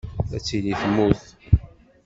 Ad tili temmut.